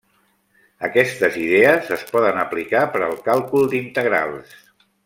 Aquestes idees es poden aplicar per al càlcul d'integrals.